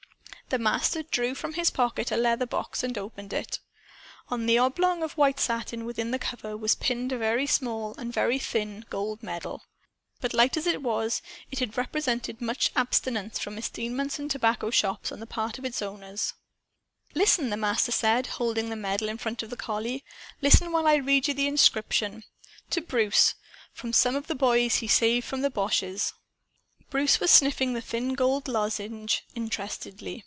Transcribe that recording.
The Master drew from his pocket a leather box, and opened it. On the oblong of white satin, within the cover, was pinned a very small and very thin gold medal. But, light as it was, it had represented much abstinence from estaminets and tobacco shops, on the part of its donors. "Listen," the Master said, holding the medal in front of the collie. "Listen, while I read you the inscription: 'To Bruce. From some of the boys he saved from the boches.'" Bruce was sniffing the thin gold lozenge interestedly.